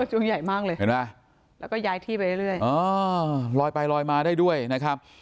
ช่วงใหญ่มากเลยเห็นไหมแล้วก็ย้ายที่ไปเรื่อยลอยไปลอยมาได้ด้วยนะครับ